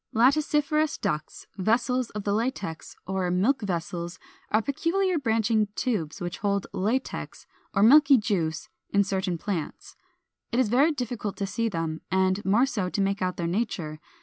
] Laticiferous ducts, Vessels of the Latex, or Milk vessels are peculiar branching tubes which hold latex or milky juice in certain plants. It is very difficult to see them, and more so to make out their nature.